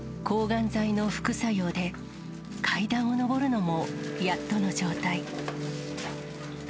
抗がん剤の副作用で、階段を上るのもやっとの状態。